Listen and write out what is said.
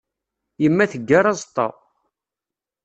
Yemma teggar aẓeṭṭa.